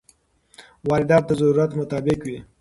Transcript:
واردات د ضرورت مطابق وي.